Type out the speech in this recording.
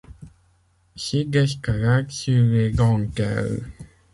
Site d'escalade sur les dentelles.